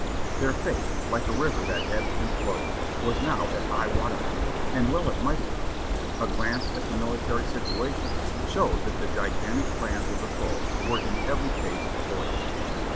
Their faith, like a river that ebbed and flowed, was now at high water mark, and well it might have been ; a glance at the military situation showed that the gigantic plans of the foe were in every case foiled.